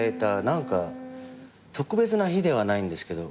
何か特別な日ではないけど。